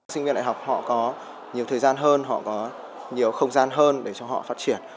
sinh viên đại học họ có nhiều thời gian hơn họ có nhiều không gian hơn để cho họ phát triển